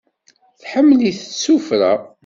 Tḥemmel-it s tuffra.